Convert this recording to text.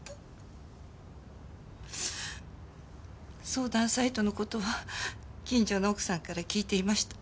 相談サイトの事は近所の奥さんから聞いていました。